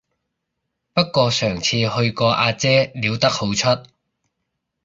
不過上次去個阿姐撩得好出